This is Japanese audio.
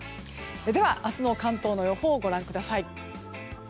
では、明日の関東の予報をご覧ください。